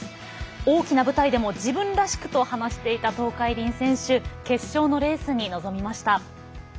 大きな舞台でも自分らしくと話していた東海林選手決勝のレースに臨みました。